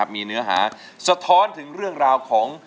มีเนื้อหาสะท้อนถึงเรื่องราวของ